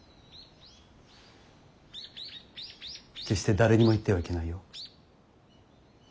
決して誰にも言ってはいけないよ。